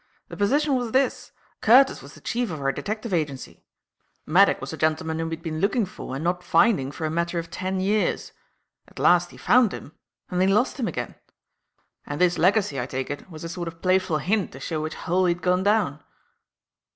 The position was this: Curtis was the chief of our detective agency; Maddock was a gentleman whom he had been looking for and not finding for a matter of ten years. At last he found him; and then he lost him again; and this legacy, I take it, was a sort of playful hint to show which hole he'd gone down."